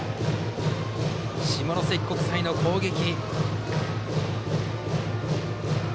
下関国際の攻撃。